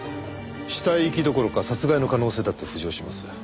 死体遺棄どころか殺害の可能性だって浮上します。